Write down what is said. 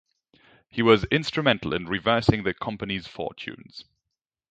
He was instrumental in reversing the company's fortunes.